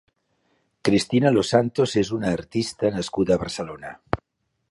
Cristina Losantos és una artista nascuda a Barcelona.